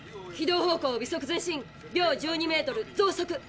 軌道方向微速前進秒１２メートル増速。